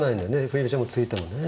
振り飛車も突いてもね。